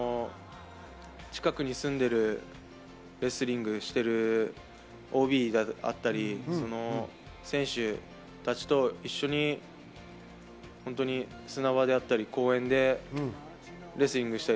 近くに住んでいるレスリングしているＯＢであったりとか選手たちと一緒に砂場や公園でレスリングしたり。